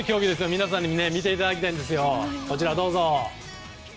皆さんに見ていただきたいです。